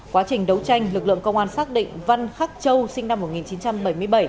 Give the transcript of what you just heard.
quá trình đấu tranh lực lượng công an xác định văn khắc châu sinh năm một nghìn chín trăm bảy mươi bảy